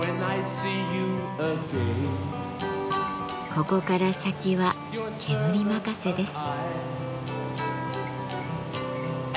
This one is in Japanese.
ここから先は煙任せです。